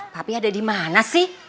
papi ada dimana sih